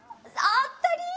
あったり！